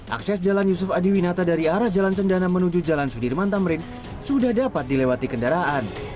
akses jalan yusuf adiwinata dari arah jalan cendana menuju jalan sudirman tamrin sudah dapat dilewati kendaraan